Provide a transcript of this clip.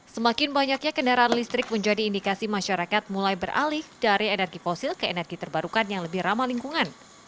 semakin banyaknya kendaraan listrik menjadi indikasi masyarakat mulai beralih dari energi fosil ke energi terbarukan yang lebih ramah lingkungan